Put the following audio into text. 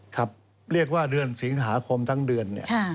ครับเรียกว่าเดือนสิงหาคมทั้งเดือนเนี่ย